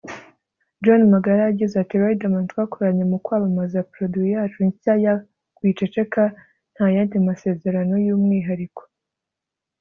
John Magara yagize ati “ Riderman twakoranye mu kwamamaza produit yacu nshya ya ‘Wiceceka’ nta yandi masezerano y’umwihariko